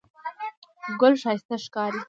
ګل ښایسته ښکاري.